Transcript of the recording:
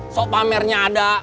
sok pamernya ada